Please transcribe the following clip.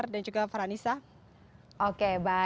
dan juga farhanisa